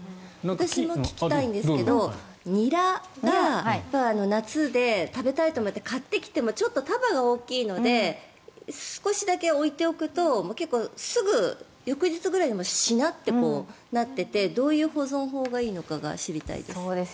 私も聞きたいんですけでニラが、夏で食べたいと思って買ってきてもちょっと束が大きいので少しだけ置いておくと結構すぐ翌日ぐらいにしなってなっていてどういう保存法がいいのかが知りたいです。